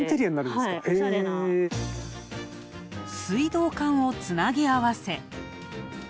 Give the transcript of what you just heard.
水道管をつなぎあわせ。